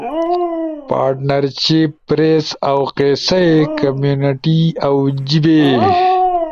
پارٹنرشب، پریس، اؤ قصہ ئی، کمیونٹی اؤ جیِبے